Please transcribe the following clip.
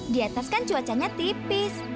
di atas kan cuacanya tipis